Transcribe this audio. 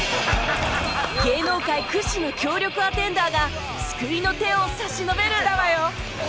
芸能界屈指の強力アテンダーが救いの手を差し伸べる来たわよ。